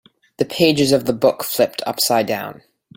The pages of the book flipped upside down.